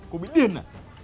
cô bị điên à